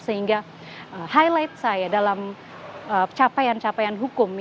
sehingga highlight saya dalam capaian capaian hukum